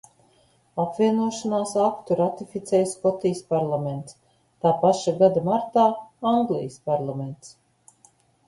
Apvienošanās aktu ratificēja Skotijas parlaments, tā paša gada martā – Anglijas parlaments.